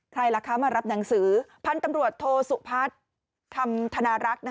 ใครล่ะคะมารับหนังสือพันธุ์กำรวจโทษภัทรธนารักษ์